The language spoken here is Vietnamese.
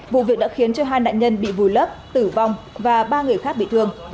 vụ việc đã khiến cho hai nạn nhân bị vùi lấp tử vong và ba người khác bị thương